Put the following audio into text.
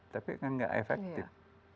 tapi kan gak efektif